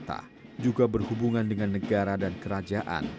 dan juga berhubungan dengan negara dan kerajaan